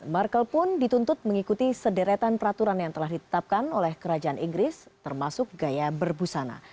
markle pun dituntut mengikuti sederetan peraturan yang telah ditetapkan oleh kerajaan inggris termasuk gaya berbusana